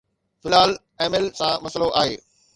في الحال ايميل سان مسئلو آهي